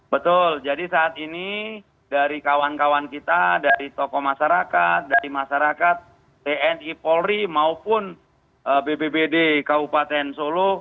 betul jadi saat ini dari kawan kawan kita dari tokoh masyarakat dari masyarakat tni polri maupun bbbd kabupaten solo